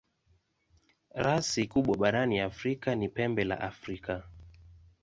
Rasi kubwa barani Afrika ni Pembe la Afrika.